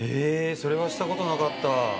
それはしたことなかった。